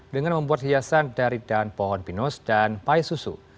dengan membuat hiasan dari dahan pohon pinus dan pie susu